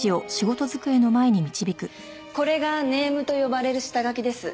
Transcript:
これがネームと呼ばれる下書きです。